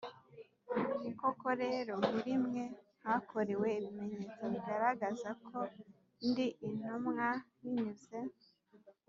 Koko rero muri mwe hakorewe ibimenyetso bigaragaza ko ndi intumwa binyuze